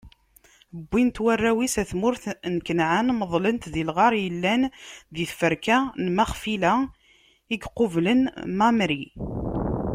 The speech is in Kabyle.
Wwin-t warraw-is ɣer tmurt n Kanɛan, meḍlen-t di lɣar yellan di tferka n Maxfila, i yequblen Mamri.